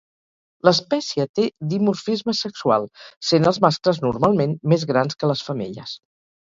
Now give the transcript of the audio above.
L'espècie té dimorfisme sexual, sent els mascles normalment més grans que les femelles.